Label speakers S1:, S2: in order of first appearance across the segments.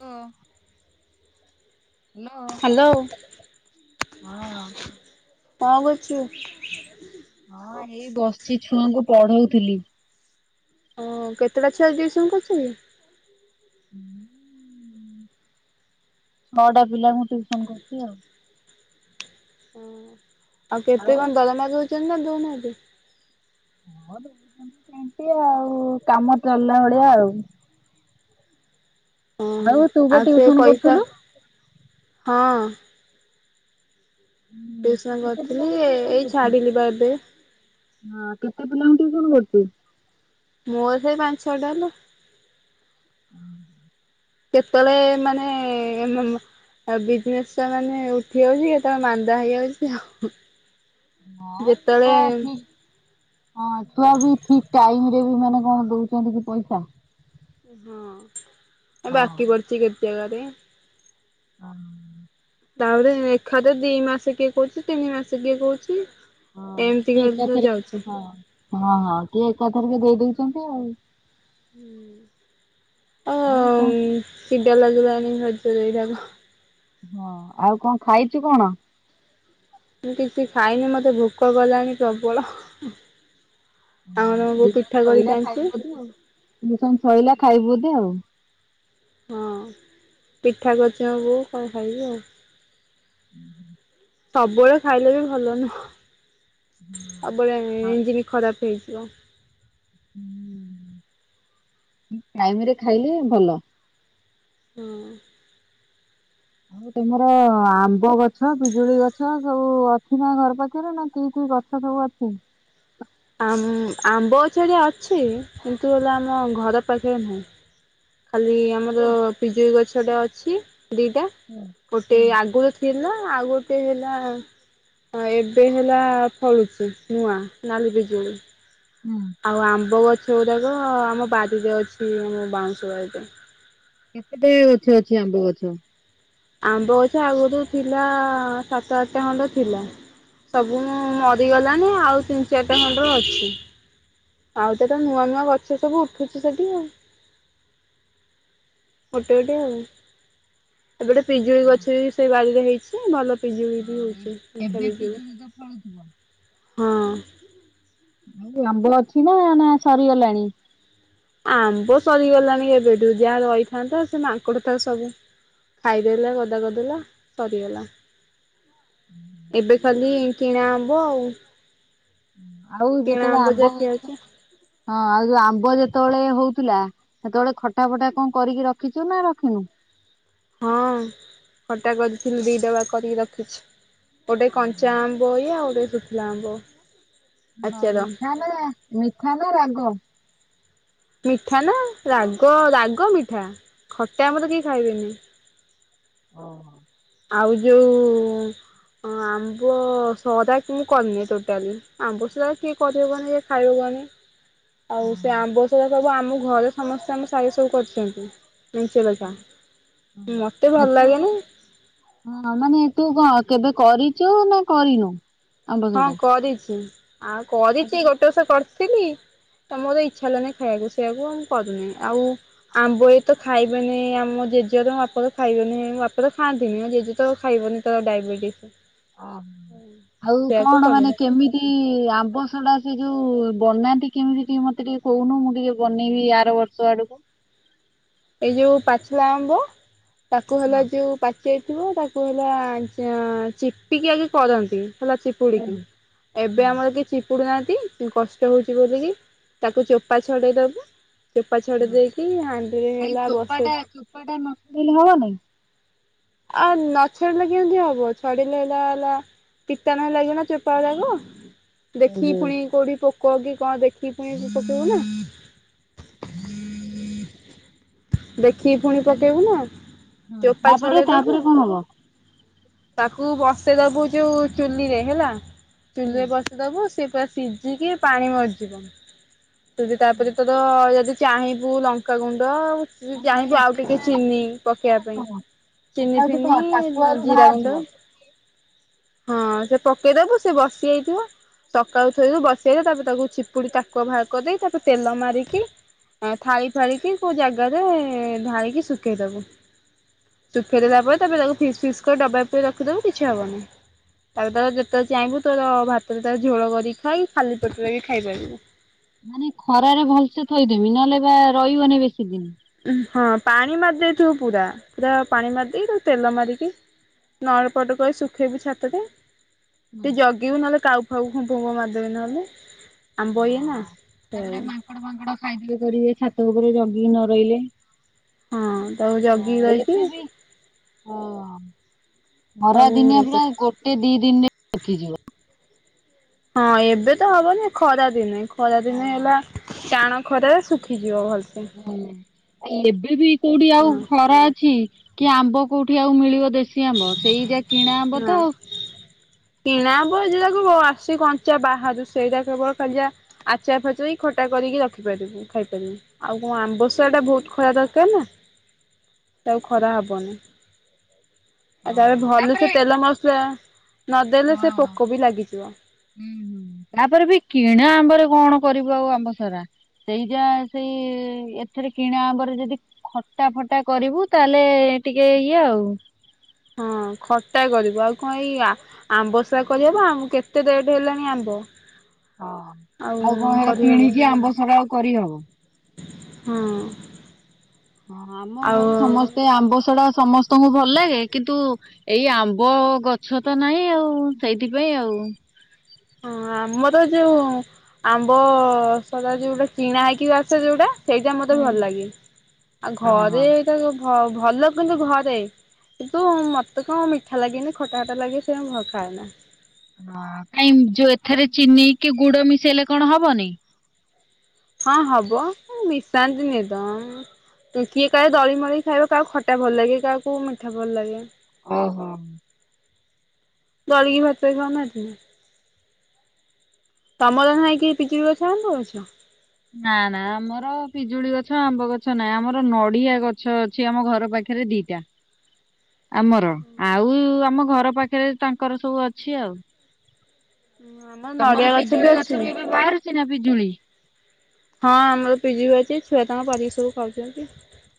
S1: ହ hello
S2: hello
S1: ହଁ।
S2: ଙ୍କ କରୁଚୁ?
S1: ହଁ ଏଇ ବସଚି ଛୁଆଙ୍କୁ ପଢଉଥିଲି।
S2: ହଁ କେତେଟା ଛୁଆ ଦିଉସନ କରୁଚୁ କି?
S1: ହୁଁ। ନଅଟା ପିଲାଙ୍କୁ ଟିଉସନ କରୁଚି ଆଉ।
S2: ଓ ଆଉ କେତେ ଙ୍କ ଦରମା ଦଉଚନ୍ତି ନା ଦଉନାହାନ୍ତି
S1: ହଁ ସେନ୍ତୀ ଆଉ କାମ ଚଲଲା ଭଳିଆ ଆଉ।
S2: ଉଁ ହୁଁ
S1: ତୁ ବା
S2: ଆଉ ସେ
S1: ଟିଉସନ
S2: ପଇସା
S1: କରୁଥିଲୁ?
S2: ହଁ।
S1: ହୁଁ ତୁ
S2: ଟିଉସନ
S1: କେତେ
S2: କରଥିଲି
S1: ପିଲାଙ୍କୁ ଟିଉସନ
S2: ଏଇ
S1: କରୁଛୁ?
S2: ଛାଡିଲି ବା ଏବେ।
S1: ହଁ କେତେ ପିଲାଙ୍କୁ ଟିଉସନ କରୁଚୁ?
S2: ମୋର ସେଇ ପାଞ୍ଚ ଛଅଟା ହେଲା। କେତଳେ ମାନେ ଆଉ ବିଜନେସ୍ ଟା ମାନେ ଉଠି ହଉଚି କେତେବେଳେ ମାନ୍ଦା ହେଇଯାଉଛି ଆଉ।
S1: ହଁ
S2: ଯେତେବେଳେ
S1: ପୁଆ ଠିକ୍। ହଁ ଛୁଆ ବି ଠିକ ଟାଇମ ରେ ବି ମାନେ କଣ ଦଉଚନ୍ତି କି ପଇସା?
S2: ହଁ ଏ
S1: ହଁ
S2: ବାକି ପଡିଚି କେତେ ଜାଗାରେ।
S1: ଅ
S2: ତାପରେ ଏଖାଥେ ଦି ମାସ କିଏ କହୁଚି ତିନି ମାସ କିଏ କହୁଚି
S1: ହଁ
S2: ଏମତି
S1: କିଏ
S2: ଘରେ ତ
S1: ଏକାଥରେ
S2: ଯାଉଚି।
S1: ହଁ ହଁ ହଁ ଟିକେ ଏକାଥରକେ ଦେଇ ଦେଇଚନ୍ତି ଆଉ।
S2: ହୁଁ ଆଉ
S1: ଆଉ ଙ୍କ
S2: ଇ ଚିଡା ଲାଗିଲାଣିି [unintelligible] ଏଇଟାକୁ।
S1: ହଁ ଆଉ ଙ୍କ ଖାଇଚୁ କଣ?
S2: ମୁଁ କିଛି ଖାଇନି ମତେ ଭୋକ କଲାଣି ପ୍ରବଳ। ଆମର ମୋ ବଉ ପିଠା କରିକି ଆଣିଚି।
S1: ମ ସନ ଶଇଲା ଖାଇବୁ ବୋଧେ ଆଉ।
S2: ହଁ ପିଠାଗଛ ହବୁ କଣ ଖାଇବୁ ଆଉ।
S1: ହୁଁ।
S2: ସବୁବେଳେ ଖାଇଲେ ବି ଭଲ ନୁହଁ ସବୁଳେ ଏ ଏଞ୍ଜି ବି ଖରାପ ହେଇଯିବ।
S1: ଠିକ୍ ଟାଇମରେ ଖାଇଲେ ଭଲ।
S2: ହଁ।
S1: ଆଉ ତମର ଆମ୍ବ ଗଛ ପିଜୁଳି ଗଛ ସବୁ ଅଛି ନା ଘର ପାଛରେ ନା କି କି ଗଛ ଛ ସବୁ ଅଛି?
S2: ଆମ୍ ଆମ୍ବ ଛେଳି ଅଛି କିନ୍ତୁ ହେଲେ ଆମ ଘର ପାଖରେ ନାହିଁ। ଖାଲି ଆମର
S1: ହୁଁ
S2: ପିଜୁଳି ଗଛଟେ ଅଛି। ଦିଇଟା ଗୋଟେ ଆଗରୁ ଥିଲା ଆଉ ଗୋଟେ ହେଲା ହଁ ଏବେ ହେଲା ଫଳୁଚି ନୂଆ ନାଲି ପିଜୁଳି।
S1: ହୁଁ।
S2: ଆଉ ଆମ୍ବ ଗଛ ଗୁଡ଼ାକ ଆମ ବାରିରେ ଅଛି ଆମ ବାଉଁଶ ବାରିରେ।
S1: କେତେ ଟାଏ ଅଛି ଅଛି ଆମ୍ବ ଗଛ?
S2: ଆମ୍ବ ଗଛ ଆଗରୁ ଥିଲା ସାତ ଆଠଟା ଖଣ୍ଡ ଥିଲା। ସବୁ ମୁ ମରିଗଲାଣି ଆଉ ତିନି ଚାରିଟା ଖଣ୍ଡେ ଅଛି। ଆଉ ତ ଏଟା ନୂଆ ନୂଆ ଗଛ ସବୁ ଉଠୁଛି ସେଠି ଆଉ। ଗୋଟେ ଗୋଟେ ଆଉ। ଏବେ ଗୋଟେ ପିଜୁଳି ଗଛ ବି ସେଇ ବାରିରେ ହେଇଚି ଭଲ ପିଜୁଳି ବି ହୋଉଚି। ମିଠା
S1: ଏବେ
S2: ପିଜୁଳି
S1: ତ ଫଳୁଥିବ।
S2: ହଁ।
S1: ଆଉ ଆମ୍ବ ଅଛି ନା ସରିଗଲାଣି।
S2: ଆମ୍ବ ସରିଗଲାଣି ଏବେଠୁ ଯାହା ରହିଥାନ୍ତା ସେ ମାଙ୍କଡ଼ ଥା ସବୁ ଖାଇଦେଲା ଗଦା ଗଦଲା ସରିଗଲା। ଏବେ ଖାଲି କିଣା ଆମ୍ୱ ଆଉ।
S1: ଆଉ
S2: କିଣା
S1: ଯେତେବେଳେ ଆମ୍ବ
S2: ଯାହା
S1: ହଉଥିଲା
S2: ଖିଆହଉଛି
S1: ହଁ ଆଉ ଯୋଉ ଆମ୍ବ ଯେତେବେଳେ ହଉଥିଲା ସେତେବେଳେ ଖଟା ଫଟା କଣ କରିକି ରଖିଛୁ ନା ରଖିନୁ।
S2: ହଁ ଖଟା ଗଜଥିଲ ଦିଇ ଡବା କରିକି ରଖିଛି। ଗୋଟେ କଞ୍ଚା ଆମ୍ବ ୟା ଗୋଟେ ସୁୁଖିଲା ଆମ୍ବ।
S1: ହ
S2: ଆଚାର
S1: ମିଠା ନା ମିଠା ନ ରାଗ।
S2: ମିଠା ନା ରାଗ ରାଗ ମିଠା ଖଟା ମୁ ତ କିହି ଖାଇବେନି।
S1: ହଁ।
S2: ଆଉ ଯୋଉ ଆମ୍ବ ଶହଟାକ ମୁଁ କରିନିଏ ଟୋଟାଲି। ଆମ୍ୱ ସରା ଆଉ କିଏ କରିବ କଅନି କିଏ ଖାଇବ କଅନି? ଆଉ ସେ ଆମ୍ବ ସରା ସବୁ ଆମ ଘରେ ସମସ୍ତେ ଆମ ଶାଇରେ ସବୁ କରିଛନ୍ତି। ନିଞ୍ଚଲଛା ମୋତେ
S1: ଆଉ
S2: ଭଲ
S1: ତୁ
S2: ଲାଗେନି
S1: ହଁ ମାନେ ତୁ କଣ କେବେ କରିଚୁ ନା କରିନୁ? ଆମ୍ବ
S2: ହଁ
S1: ସଡା?
S2: କରିଛି ଆଉ କରିଚି ଗୋଟେ ବର୍ଷ କରିଥିଲି ତମୋର ଇଚ୍ଛା ହେଲାନି ଖାଇବାକୁ ସେଇବାକୁ ଆଉ କରୁନି ଆଉ ଆମ୍ବ ଏଇ ତ ଖାଇବେନି ଆମ ଜେଜେ ତ ବାପେ ତ ଖାଇବେନି ମୁଁ ବାପେ ତ ଖାଆନ୍ତିନି ଆଉ ଜେଜେ ତ ଖାଇବନି। ତ ଡାଇବେିଟିସ୍।
S1: ଅ ଆଉ କଣ ମାନେ କେମି ଆମ୍ବ ସଡା ସେ ଯୋଉ ବନାନ୍ତି କେମିତି ଟିକେ ମତେ ଟିକେ କହୁନୁ ମୁଁ ଟିକେ ବନେଇବି ଆର ବର୍ଷ ଆଡକୁ।
S2: ଏଇ ଯୋଉ ପାଛଳା ଆମ୍ବ ତାକୁ ହେଲା
S1: ହଁ
S2: ଯୋଉ ପା ଚେଇଥିବ ତାକୁ ହିଲା ଚାଁ ଚିପିକି ଆଗେ କରନ୍ତି ହେଲା ଚିପ୍ ପୁଡିକି
S1: ହୁଁ।
S2: ଏବେ ଆମର କି ଚିପ୍ ପୁଡ଼ୁନାହାଁନ୍ତି କଷ୍ଟ ହେଉଛି ବୋଲିକି ତାକୁ ଚୋପା ଛଡ଼େଇ ଦେବୁ ଚୋପା ଛଡେଇ
S1: ହୁଁ
S2: ଦେଇକି ଆଁ
S1: ଏଇ ଚୋପା ଟା ଚୋପା ଟା ନ ଶୁଣେଇଲେ ହବ ନାଇଁ।
S2: ଆଉ ନାଛାଡିଲେ କେମତି ହବ ଛଡିଲେ ହେଲା ହେଲା [unintelligible] ଦେଖି
S1: ଓହୋ।
S2: ପୁଣି କୋଉଠି ପୋକ କି କଣ ଦେଖିକି ପୁଣି ପକେଇବ ନା?
S1: ହୁଁ
S2: ଦେଖିକି ପୁଣି
S1: ତାହେଲେ
S2: ପକେଇବୁ ନା
S1: ହଁ
S2: ଚୋପା ଚ୍
S1: ତାପରେ ତାପରେ କଣ ହବ?
S2: ତାକୁ ବସେଇ ଦବୁ ଯୋଉ ଚୁଲିରେ ହେଲା
S1: ହୁଁ।
S2: ଚୁଲିରେ ବସ ଦବୁ ସେ ପୁରା ସିଝିକି ପାଣି ମରିଯିବ ଯଦି ତାପରେ ତର ଯଦି ଚାହିଁବୁ ଲଙ୍କାଗୁଣ୍ଡ
S1: ମାନେ
S2: ଚାହିଁବୁ ଆଉ ଟିକେ ଚିନି ପକେଇବା ପାଇଁ
S1: ଶୁଣୁ
S2: ଚିନି
S1: ସେଟା ହଉଛି
S2: ଫିନି
S1: କଣ ଟାକୁଆରୁ
S2: ଜିରା
S1: ବାହାରିଯିବ।
S2: ଗୁଣ୍ଡ ହଁ ସେ ପକେଇଦବୁ ସେ ବସିଯାଇଥିବ ସକାଳୁ ଥୋଇରୁ ବସେଇଲେ ତାପରେ ତାକୁ ଚିପୁଡ଼ି ତାକୁଆ ଭାଗ ଦେଇ ତାକୁ ତେଲ ମାରିକି ଥାଳି ଫାଳିିକି କୋଉ ଜାଗାରେ ଢାଳିକି ଶୁଖେଇଦବୁ। ଶୁଖେଇ ଦେଲା ପରେ ତାପରେ ତାକୁ ଫିସ୍ ଫିସ୍ କରି ଡବାଇ ପୁରେଇ ରଖିଦବୁ କିଛି ହବନିଁ। ତାପରେ ତାର ଯେତେବେଳେ ଚାହିଁବୁ ତୋର ଭାତରେ ତାକୁ ଝୋଳ କରିକି ଖାଇ, ଖାଲି ପେଟରେ ବି ଖାଇପାରିବୁ।
S1: ମାନେ ଖରାରେ ଭଲସେ ଥୋଇଦେମି ନହେଲେ ବା ରହିବନି ବେଶୀ ଦିନ।
S2: ଉ ହଁ ପାଣି ମାରି ଦେଇଥିବୁ ପୁରା ପୁରା ପାଣି ମାରିଦେଇକି ତାକୁ ତେଲ ମାରିକି ନଳପଟ କରି ଶୁଖେଇବି ଛାତରେ।
S1: ହୁଁ।
S2: ଟିକେ ଜଗିବୁ ନହେଲେ କାଉ ଫାଉକୁ ଫୁମ୍ଫ ଫୁ ମାରିଦେବେ ନହେଲେ। ଆମ୍ବ ଇଏ ନା ହେଉ।
S1: ମାଙ୍କଡ଼ ମାଙ୍କଡ଼ ଖାଇଦେବେ କରିବେ ଛାତ ଉପରେ ଜଗି ନ ରହିଲେ।
S2: ହଁ ତାକୁ ଜଗିକି
S1: ହଁ
S2: ରହିକି
S1: ଏ ବି ହଁ। ଖରା
S2: ତାକୁ ଇଏ
S1: ଦିନିଆ
S2: କର
S1: ପୁରା ଗୋଟେ ଦି ଦିନରେ ରଖିଯିବ
S2: ହଁ ଏବେ ତ ହବନି ଖରା ଦିନେ, ଖରା ଦିନେ ହେଲା
S1: ହଁ
S2: ଟାଣ ଖରାରେ ଶୁଖିଯିବ ଭଲସେ।
S1: ହ ଏବେ ବି କୋଉଠି ଆଉ
S2: ହଁ
S1: ଖରା ଅଛି କି ଆମ୍ବ କୋଉଠି ଆଉ ମିଳିବ ଦେଶ ସି ଆମ୍ବ। ସେଇ ଯା କିଣା ଆମ୍ବ
S2: ନା
S1: ତ।
S2: କିଣା ଆମ୍ବ ଯଟାକୁ ଆସେ କଞ୍ଚା ବାହାରୁ ସେଇଟା କେବଳ ଖାଲି ଯା ଆଚାର ଫାଚ- ଖଟା କରିକି ରଖିପାରିବୁ। ଖାଇପାରିବୁ। ଆଉ କଣ ଆମ୍ବସରା ଟା ବହୁତ ଖରା ଦରକାର ନା, ସେ ଆଉ ଖରା ହବନି। ଆଉ ତାପରେ ଭଲ ସେ ତେଲ ମସଲା ନଦେଲେ ସେ
S1: ହଁ
S2: ପୋକ ବି ଲାଗିଯିବ।
S1: ହୁଁ, ହୁଁ। ତାପରେ ବି କିଣା ଆମ୍ବରେ କଣ କରିବ ଆଉ ଆମ୍ବ ସରା ସେଇ ଯା ସେଇ ଏଥରେ କିଣା ଆମ୍ବରେ ଯଦି ଖଟା ଫଟା କରିବୁ ତାହେଲେ, ଟିକେ ଇଏ ଆଉ।
S2: ହଁ, ଖଟା କରିବୁ। ଆଉ କଣ ଏଇ ଆ ଆମ୍ବସରା କରି ହବ? ଆମ୍ବ କେତେ ରେଟ ହେଲାଣି ଆମ୍ବ।
S1: ହଁ, ଆଉ କଣ ସେରା କିଣିକି ଆମ୍ବ ସରା ଆଉ କରିହବ?
S2: ହୁଁ।
S1: ହଁ, ଆମ ଘରେ ସମସ୍ତେ ଆମ୍ବସଡା ସମସ୍ତେ ତମକୁ ଭଲ ଲାଗେ? କିନ୍ତୁ, ଏଇ ଆମ୍ବ ଗଛ ତ ନାଇଁ ଆଉ। ସେଇଥିପାଇଁ ଆଉ।
S2: ହଁ, ଆମର ଯୋଉ ଆମ୍ବ ସଢ଼ା ଯୋଉୋଟା କିଣା ହେଇକି ଆସେ ଯୋଉଟା? ସେଇଟା ମତେ ଭଲ ଲାଗେ। ଆଉ ଘରେ
S1: ଓହୋ।
S2: ଏଇଟା କି-ଭଲ କିନ୍ତୁ ଘରେ। କିନ୍ତୁ, ମୋତେ କଣ ମିଠା ଲାଗେନି। ଖଟା, ଖଟା ଲାଗେ ସେ ଭ ଖାଏନା।
S1: ହଁ, କାଇଁ ଯୋଉ ଏଥରେ ଚିନି କି ଗୁଡ ମିଶେଇଲେ କଣ ହବନି?
S2: ହଁ, ହବ ମିଶାନ୍ତିନି ତ କିଏ କାଳେ ଦଳି ମଳି ଖାଇବ। କାହାକୁ ଖଟା ଭଲ ଲାଗେ। କାହାକୁ ମିଠା ଭଲ ଲାଗେ।
S1: ଓହୋ।
S2: ଦଳିକି ଭାତରେ ଖାଉ ନାହାନ୍ତି ତମର ନାହିଁ କି ପିଜୁଳି ଗଛ, ଆମ୍ବ ଗଛ?
S1: ନା ନା, ଆମର ପିଜୁଳି ଗଛ ଆମ୍ବ ଗଛ ନାହିଁ। ଆମର ନଡିଆ ଗଛ ସେ ଆମ ଘର ପାଖରେ ଦିଟା।
S2: [inaudible]
S1: ଆମର। ଆଉ ଆମ ଘର ପାଖରେ ତାଙ୍କର ସବୁ ଅଛି ଆଉ।
S2: ହଁ ଆମ
S1: ତମର ପିଜୁଳି ଗଛରୁ ଏବେ ବାହାରୁଛି ନା ପିଜୁଳି?
S2: ହଁ, ଆମର ପିଜୁଳି ବି ଅଛି। ଛୁଆ ତାଙ୍କ ପାରିକି ସବୁ ଖାଉଛନ୍ତି।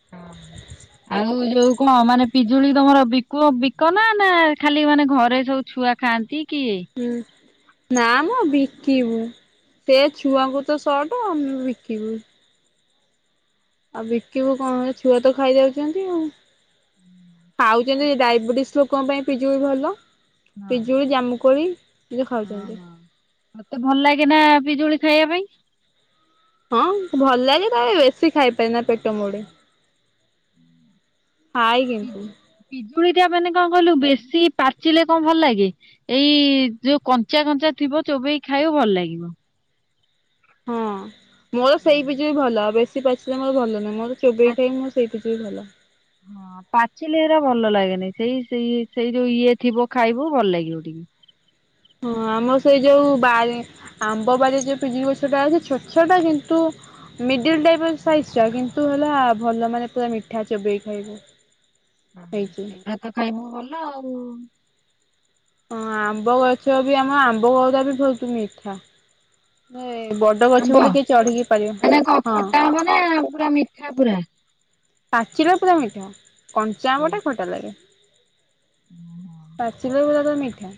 S2: [inaudible]
S1: ଆଉ ଯୋଉ କଣ ମାନେ ପିଜୁଳି ତମର ବିକୁଅ, ବିକ ନା? ନା ଖାଲି ମାନେ ଘରେ ସବୁ ଛୁଆ ଖାଆନ୍ତି କିଏ?
S2: ହୁଁ। ନାମ ବିକିବୁ। ସେ ଛୁଆଙ୍କୁ ତ ସର୍ଟ ଆମେ ବିକିବୁ। ଆଉ ବିକିିବୁ କଣ? ଛୁଆ ତ ଖାଇଦଉଛନ୍ତି ଆଉ। ଖାଉଛନ୍ତି। ଡାଇବେଟିସ ଲୋକଙ୍କ ପାଇଁ ପିଜୁଳି ବି ଭଲ।
S1: ହଁ
S2: ପିଜୁଳି, ଜାମୁକୋଳି ନିଜେ ଖାଉଛନ୍ତି।
S1: ତତେ ଭଲ ଲାଗେ ନା ପିଜୁଳି ଖାଇବା ପାଇଁ?
S2: ହଁ ଭଲ ଲାଗେ ତା ପରେ ବେଶୀ ଖାଇପାରେ ନା ପେଟ ମୋଡେ ଖାଏ କିନ୍ତୁ
S1: ପି-ପିଜୁଳି ଟା ମାନେ କଣ କହିଲୁ, ବେଶୀ ପାଚିଲେ କଣ ଭଲ ଲାଗେ? ଏଇ ଯୋଉ କଞ୍ଚା, କଞ୍ଚା ଥିବ ଚୋବେଇ ଖାଇବ ଭଲ ଲାଗିବ।
S2: ହଁ, ମୋର ସେଇ ପିଜୁଳି ବି ଭଲ। ଆ ବେଶୀ ପାଚିଲେ ମୋର ଭଲ ନୁହଁ। ଚୋବେଇ ଖାଇବି ମୁଁ ସେଇଟା ଟିକେ ଭଲ।
S1: ହଁ ପାଚିଲେ ଏରା ଭଲ ଲାଗେନି। ସେଇ, ସେଇ, ସେଇ ଯୋଉ ଇଏ ଥିବ ଖାଇବୁ ଭଲ ଲାଗିବ ଟିକେ।
S2: ହଁ, ଆମର ସେଇ ଯୋଉ ବାରି ଆମ୍ବ ବାରି ଯୋଉ ପିଜୁଳି ଗଛ ଟା ଅଛି ଛୋଟ, ଛୋଟ କିନ୍ତୁ ମିଡଲ ଟାଇପ ର ସାଇଜ ଟା କିନ୍ତୁ ହେଲା ଭଲ ମାନେ ପୁରା ମିଠା ଚୋବେଇ ଖାଇବ।
S1: ହ
S2: ହେଇଛି
S1: [unintelligible] ଭାତ ଖାଇବୁ ଗଲା ଆଉ।
S2: ହଁ ଆମ୍ବ ଗଛ ବି ଆମ ଆମ୍ବ ଗଉଦା ବି ବହୁତ ମିଠା। ହେ-ଏ-ଏ ବଡ ଗଛ
S1: ଆମ୍ବ,
S2: ବୋଲି କେହି ଚଢିକି ପାରିବ
S1: ମାନେ କ
S2: ହଁ
S1: ଖଟା ଆମ୍ବ ନା ପୁରା ମିଠା ପୁରା।
S2: ପାଚିଲେ ପୁରା ମିଠା, କଞ୍ଚା ଆମ୍ବଟା ଖଟା ଲାଗେ।
S1: ହୁଁ ହଁ
S2: ପାଚିଲେ [unintelligible] ମିଠା।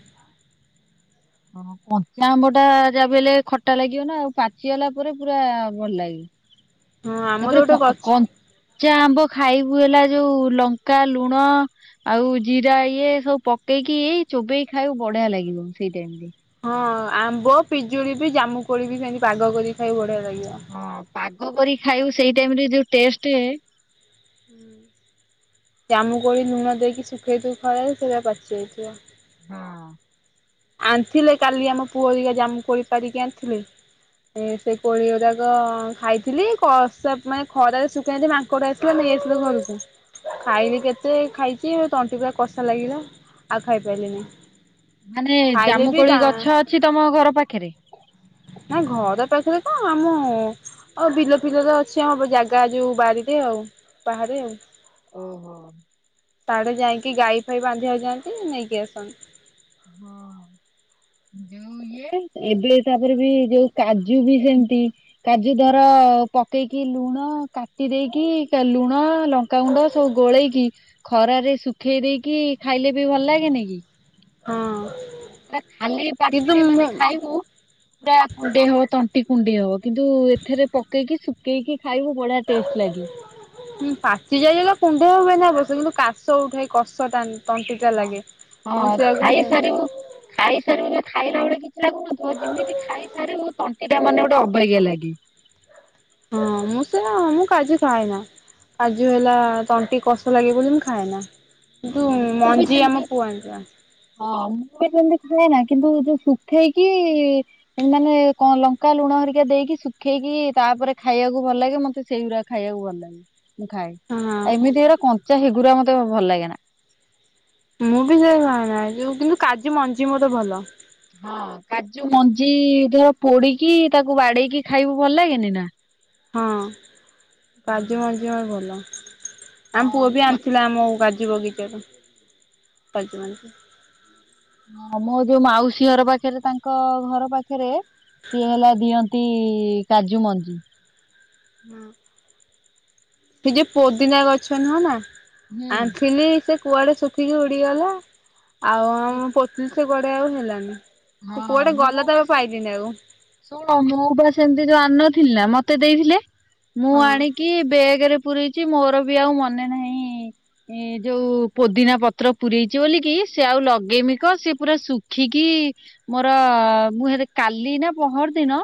S1: ହଁ କଞ୍ଚା ଆମ୍ବ ଟା ଯାହାବି ହେଲେ ଖଟା ଲାଗିବ ନା ପାଚିଗଲା ପରେ ପୁରା ଭଲ ଲାଗେ।
S2: ହଁ ଆମର
S1: ତାପରେ କ
S2: ଗୋଟେ ଗଛ
S1: କଞ୍ଚା ଆମ୍ବ ଖାଇବୁ ହେଲା ଯୋଉ ଲଙ୍କା, ଲୁଣ ଆଉ ଜିରା ଇଏ ସବୁ ପକେଇକି-ଇ-ଇ ଚୋବେଇ ଖାଇବୁ ବଢିଆ ଲାଗିବ ସେଇ ଟାଇମରେ।
S2: ହଁ ଆମ୍ବ, ପିଜୁଳି ବି, ଜାମୁକୋଳି ବି ସେମତି ପାଗ କରି ଖାଇବୁ ବଢିଆ ଲାଗିବ।
S1: ହଁ ପାଗ କରି ଖାଇବୁ ସେଇ ଟାଇମ ରେ ଯୋଉ ଟେଷ୍ଟେ
S2: ହୁଁ ଜାମୁ କୋଳି ଲୁଣ ଦେଇକି ଶୁଖେଇଥିବୁ ଖରାରେ ସେଆ ପାଚିଯାଇଥିବ।
S1: ହଁ,
S2: ଆଣିଥିଲେ କାଲି ଆମ ପୁଅ ଇଏ ଜାମୁ କୋଳି ପାରିକି ଆଣିଥିଲେ। ଏ ସେ କୋଳି ଗୁରାକ ଖାଇଥିଲି କସ ମାନେ ଖରାରେ ଶୁଖେଇଲେ ମା ଙ୍କଡ଼ ଆସିଲେ ନେଇ ଆସିଲୁ ଘରକୁ, ଖାଇଲି କେତେ ଖାଇଛି ତଣ୍ଟି ପୁରା କଷା ଲାଗିଲା। ଆଉ ଖାଇ ପାରିଲିନି।
S1: ମାନେ ଜାମୁକୋଳି ଗଛ ଅଛି ତମ ଘର ପାଖରେ?
S2: ନାଇଁ ଘର ପାଖରେ ତ ଆମ ଆଉ ବିଲ ଫିଲରେ ଅଛି ଆମ ଜାଗା ଯୋଉ ବାରିରେ ଆଉ ବାହାରେ ଆଉ।
S1: ଓହୋ।
S2: ତାଡେ ଯାଇକି ଗାଈ ଫାଇ ବାନ୍ଧି ଆଉ ଯାଆନ୍ତି ନେଇକି ଆସନ୍ତି।
S1: ହଁ
S2: [inaudible]
S1: ଯୋଉ ଇଏ ଏବେ ତାପରେ ବି ଯୋଉ କାଜୁ ବି ସେମିତି କାଜୁ ଦର-ଅ-ଅ ପକେଇକି ଲୁଣ କାଟି ଦେଇକି ଲୁଣ ଲ କା ଗୁଣ୍ଡ ସବୁ ଗୋଳେଇକି ଖରାରେ ଶୁଖେଇ ଦେଇକି ଖାଇଲେ ବି ଭଲ ଲାଗେନି କି?
S2: ହଁ,
S1: ଏ ଖାଲି ପାଟିରେ ମାନେ ଖାଇବୁ
S2: ହ
S1: ପା କୁଣ୍ଡେଇ ହବ ତଣ୍ଟି କୁଣ୍ଡେଇ ହବ କିନ୍ତୁ ଏଥିରେ ପକେଇକି ଶୁଖେଇକି ଖାଇବୁ ବଢିଆ ଟେଷ୍ଟ ଲାଗିବ।
S2: ହୁଁ ପାଚି ଯାଇ ହେଲେ କୁଢେଇ ହୁଏନା ଅବଶ୍ୟ କିନ୍ତୁ କାଶ ଉଠାଏ କଷଟା
S1: ହଁ ହଁ ଖାଇ ସାରିବୁ ଖାଇସାରିବୁ ଖାଇଲା ବେଳେ କିଛି ଲାଗୁନଥିବ ଯେମିତି ଖାଇସାରିବୁ ତଣ୍ଟି ପା ମାନେ ଗୋଟେ ଅବଜ୍ଞା ଲାଗେ।
S2: ହଁ ମୁଁ ସେ ମୁଁ କାଜୁ ଖାଏନା। କାଜୁ ହେଲା ତଣ୍ଟି କଷ ଲାଗେ ବୋଲି ମୁ ଖାଏନା। କିନ୍ତୁ
S1: ହଁ ମୁଁ ବି
S2: ମଞ୍ଜି
S1: ସେମିତି
S2: ଆମ ପୁଅ ଆଣିଥିଲା।
S1: ହଁ ମୁଁ ବି ଯେମତି ଖାଏ ନା କିନ୍ତୁ ଯୋଉ ଶୁଖେଇକି-ଇ-ଇ-ଇ ମାନେ କ ଲଙ୍କା ଲୁଣ ହରିକା ଦେଇକି ଶୁଖେଇକି ତାପରେ ଖାଇବାକୁ ଭଲ ଲାଗେ ମତେ ସେଇଗୁଡା ଖାଇବାକୁ ଭଲ ଲାଗେ ମୁଁ ଖାଏ।
S2: ହଁ।
S1: ଏମିତି ଏଗୁରା କଞ୍ଚା ହେଗୁରା ମତେ ମ ଭଲ ଲାଗେ ନା।
S2: ମୁଁ ବି ସେଇ ଖାଏନା ଯୋଉ କିନ୍ତୁ କାଯୁ ମଞ୍ଜି ମତେ ଭଲ।
S1: ହଁ କାଜୁ ମଞ୍ଜି ଧର ପୋଡିକି ତାକୁ ବାଡେଇକି ଖାଇବୁ ଭଲ ଲାଗେନି ନା?
S2: ହଁ କାଜୁ ମଞ୍ଜି ମୋତେ ଭଲ। ଆମ ପୁଅ ବି
S1: ହଁ
S2: ଆଣିଥିଲା ଆମ କାଜୁ ବଗିଚାରୁ କାଜୁମଞ୍ଜି।
S1: ହଁ ମୋ ଯୋଉ ମାଉସୀ ଘର ପାଖରେ ତାଙ୍କ ଘର ପାଖରେ ସିଏ ହେଲା ଦିଅନ୍ତ ନ୍ତି କାଜୁ ମଞ୍ଜି।
S2: ହଁ ସେ ଯେ ପୋଦିନା ଗଛ ନୁହଁ ନା
S1: ହୁଁ
S2: ଆଣିଥିଲି ସେ କୁଆଡେ ଶୁଖିକି ଉଡିଗଲା ଆଉ ଆମ ପ ସେ କୁଆଡେ ଆଉ ହେଲାନି, ସେ କୁଆଡେ ଗଲା ତ ପାଇଲିନି ଆଉ।
S1: ଶୁଣୁ ମୁଁ ବା ସେମିତି ଯୋଉ ଆନଥିଲିନା ମତେ ଦେଇଥିଲେ, ମୁଁ
S2: ହଁ।
S1: ଆଣିକି ବେଗରେ ପୁରେଇଚି, ମୋର ବି ଆଉ ମନେ ନାହିଁ-ଇଁ ଏଁ ଯୋଉ ପୋଦିନା ପତ୍ର ପୂରେଇଛି ବୋଲିକି, ସେ ଆଉ ଲଗେଇମି କ ସେ ପୁରା ଶୁଖିକି-ଇ ମୋର-ଅ ମୁଁ ହେତ କାଲି ନା, ପହର ଦିନ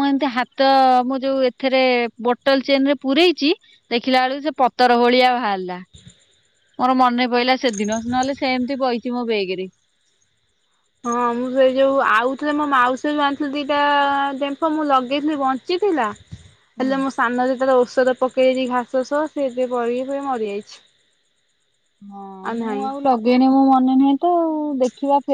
S1: ମୁଁ ଏମିତି ହାତ-ଅ ମୋ ଯୋଉ, ଏଥିରେ ବୋଟଲ ଚେନ୍ ରେ ପୁରେଇଚି। ଦେଖିଲା ଅଳକୁ ସେ, ପତର ଭଳିଆ ବାହାରଲା। ମୋର ମନେ ପଇଲା ସେଦିନ, ନହେଲେ ସେମିତି ପଇଛି। ମୋ ବେଗେରେ।
S2: ହଁ, ମୁଁ ସେ ଯୋଉ ଆଉଥିଲେ ମୋ ମାଉସୀ ଯଉ ଆଣିଥିଲି ଦିଟା-ଆ ଡେମ୍ଫ, ମୁଁ ଲଗେଇଥିଲି ବଞ୍ଚିଥିଲା।
S1: ହୁଁ।
S2: ହେଲେ, ମୋ ସାନ ଯେତେଳେ ଔଷଧ ପକେଇଛି ଘାସ ସହ, ସେ ଯେ ପଡ଼ିକି ପୁରା ମରିଯାଇଛି।
S1: ହଁ, ମୁଁ ଆଉ ଲଗେଇନି ମୋ ମନେ ନାହିଁ ତ ଆଉ। ଦେଖିବା ଫେ